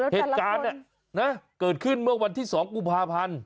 เหตุการณ์เกิดขึ้นเมื่อวันที่๒กุมภาพันธ์